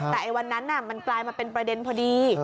แต่วันนั้นมันกลายมาเป็นประเด็นพอดี